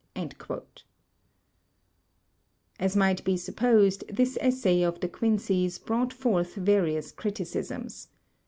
As might be supposed, this essay of De Quincey's brought forth various criticisms.